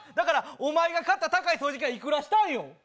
お前が買った高い掃除機はいくらしたん？